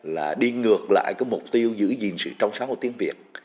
là đi ngược lại cái mục tiêu giữ gìn sự trong sáng của tiếng việt